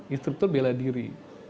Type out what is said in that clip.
instruktur bela diri